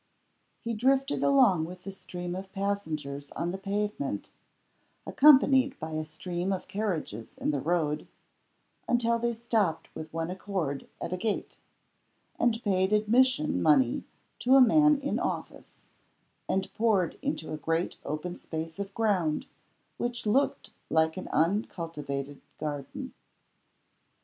He drifted along with the stream of passengers on the pavement (accompanied by a stream of carriages in the road) until they stopped with one accord at a gate and paid admission money to a man in office and poured into a great open space of ground which looked like an uncultivated garden.